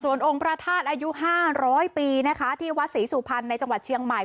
องค์พระธาตุอายุ๕๐๐ปีนะคะที่วัดศรีสุพรรณในจังหวัดเชียงใหม่